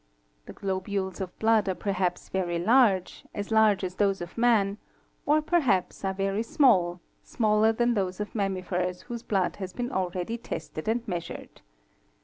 The globules of blood are perhaps very large, as large as those of man, or perhaps are very small, smaller than those of mammifers 'whose blood has been already tested and measured.